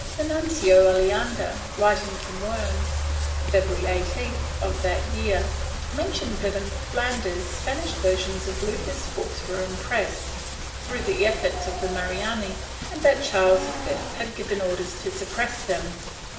The Nuncio Aleander, writing from Worms, February 18th of that year, mentioned that in Flanders Spanish versions of Luther's books were in press, through the efforts of the Marrani, and that Charles V had given orders to suppress them.